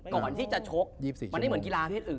ก่อนที่จะชกมันได้เหมือนกีฬาเพศอื่น